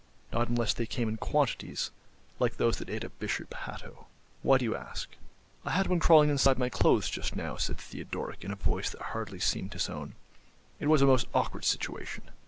"Not unless they came in quantities, like those that ate up Bishop Hatto. Why do you ask?" "I had one crawling inside my clothes just now," said Theodoric in a voice that hardly seemed his own. "It was a most awkward situation."